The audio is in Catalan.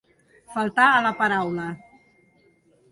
Faltar a la paraula.